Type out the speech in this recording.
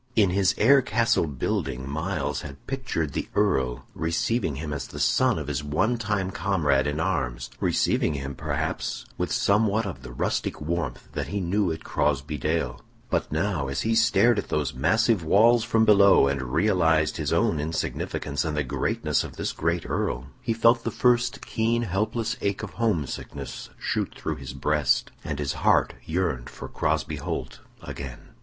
In his air castle building Myles had pictured the Earl receiving him as the son of his one time comrade in arms receiving him, perhaps, with somewhat of the rustic warmth that he knew at Crosbey Dale; but now, as he stared at those massive walls from below, and realized his own insignificance and the greatness of this great Earl, he felt the first keen, helpless ache of homesickness shoot through his breast, and his heart yearned for Crosbey Holt again.